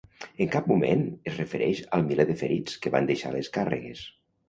En cap moment es refereix al miler de ferits que van deixar les càrregues.